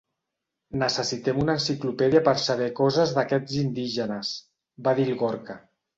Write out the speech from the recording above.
Necessitem una enciclopèdia per saber coses d'aquests indígenes — va dir el Gorka—.